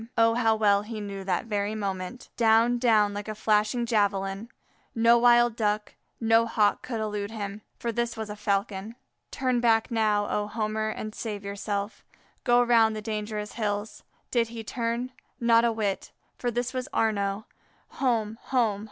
Oh, how well he knew the very moment! Down, down like a flashing javelin; no wild Duck, no Hawk could elude him, for this was a Falcon. Turn back now, O Homer, and save yourself; go round the dangerous hills. Did he turn? Not a whit! for this was Arnaux. Home! home!